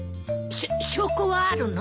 しょっ証拠はあるの？